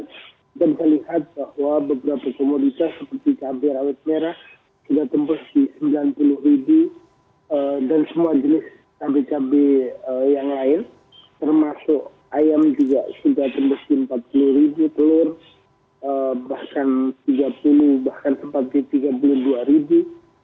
dan saya lihat bahwa beberapa komoditas seperti cabai rawit merah sudah tembus di sembilan puluh ribu dan semua jenis cabai cabai yang lain termasuk ayam juga sudah tembus di empat puluh ribu telur bahkan tiga puluh bahkan sepati tiga puluh dua ribu